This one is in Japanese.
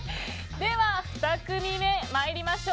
では２組目、参りましょう。